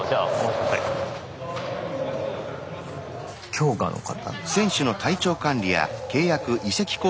強化の方？